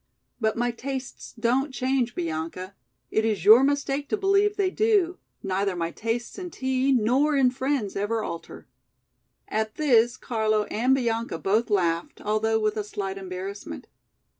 "But my tastes don't change, Bianca. It is your mistake to believe they do, neither my tastes in tea nor in friends ever alter." At this Carlo and Bianca both laughed, although with a slight embarrassment.